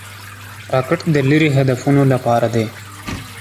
راکټ د لیرې هدفونو لپاره دی